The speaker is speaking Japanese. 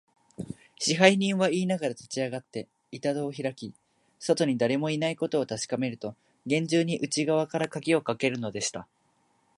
支配人はいいながら、立ちあがって、板戸をひらき、外にだれもいないことをたしかめると、げんじゅうに内がわからかぎをかけるのでした。